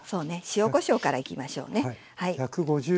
塩・こしょうからいきましょうね。